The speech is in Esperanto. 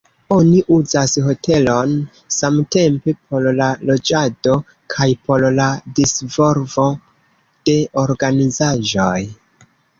Oni uzas hotelon samtempe por la loĝado kaj por la disvolvo de organizaĵoj.